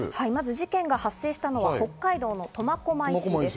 事件が発生したのは北海道の苫小牧市です。